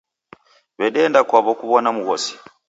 W'edeenda kwaw'o kuw'ona mghosi.